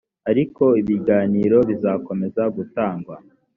ariko ibiganiro bizakomeza gutangwa